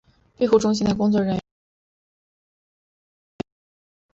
庇护中心的工作人员曾向雇主表示过安全方面的担忧。